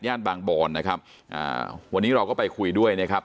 บางบอนนะครับอ่าวันนี้เราก็ไปคุยด้วยนะครับ